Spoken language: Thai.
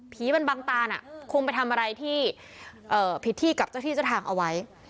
มันบังตาน่ะคงไปทำอะไรที่ผิดที่กับเจ้าที่เจ้าทางเอาไว้